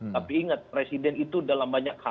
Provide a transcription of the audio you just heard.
tapi ingat presiden itu dalam banyak hal